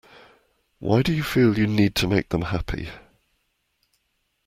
Why do you feel you need to make them happy?